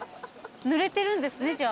ぬれてるんですねじゃ。